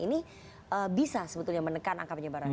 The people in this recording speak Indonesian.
ini bisa sebetulnya menekan angka penyebaran